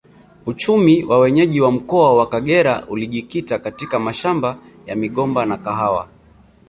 Uchumi wa wenyeji wa mkoa wa Kagera ulijikita katika mashamba ya migomba na kahawa